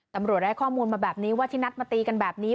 ตำรวจได้ข้อมูลมาแบบนี้ว่าที่นัดมาตีกันแบบนี้